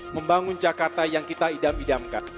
membangun jakarta yang kita idam idamkan